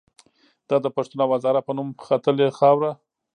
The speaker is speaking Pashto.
دا د پښتون او هزاره په نوم ختلې خاوره